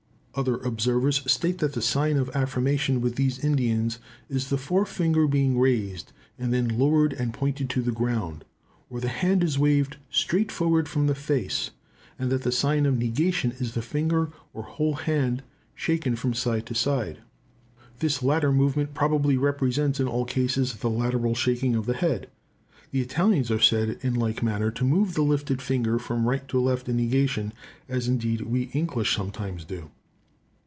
Other observers state that the sign of affirmation with these Indians is the forefinger being raised, and then lowered and pointed to the ground, or the hand is waved straight forward from the face; and that the sign of negation is the finger or whole hand shaken from side to side. This latter movement probably represents in all cases the lateral shaking of the head. The Italians are said in like manner to move the lifted finger from right to left in negation, as indeed we English sometimes do.